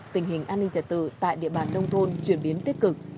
tình hình an ninh trật tự tại địa bàn nông thôn chuyển biến tích cực